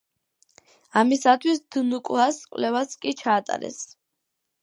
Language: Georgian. ამისათვის დნკ–ას კვლევაც კი ჩაატარეს.